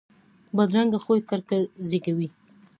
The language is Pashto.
بدرنګه خوی کرکه زیږوي